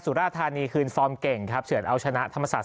ราธานีคืนฟอร์มเก่งครับเฉือนเอาชนะธรรมศาสต